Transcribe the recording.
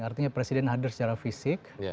artinya presiden hadir secara fisik